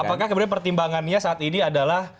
apakah kemudian pertimbangannya saat ini adalah